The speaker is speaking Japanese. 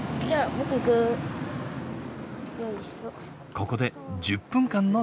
ここで１０分間の停車。